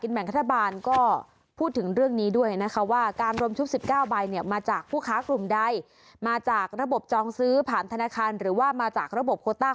จริงแล้วถ้าตามถูกต้องก็คือได้แค่๒ใบ